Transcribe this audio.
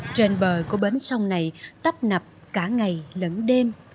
trên bờ của bến sông này tấp nập cả ngày lẫn đêm